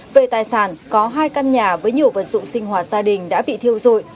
về tài sản có hai căn nhà với nhiều vật dụng sinh hoạt gia đình đã bị thiêu dội